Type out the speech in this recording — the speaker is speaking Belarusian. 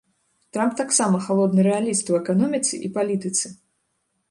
Трамп таксама халодны рэаліст у эканоміцы і палітыцы.